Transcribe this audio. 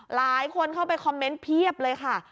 หลายคนเข้าไปคอมเมนต์เพียบเลยค่ะ